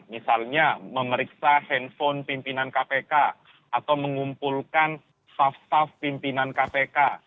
misalnya memeriksa handphone pimpinan kpk atau mengumpulkan staff staf pimpinan kpk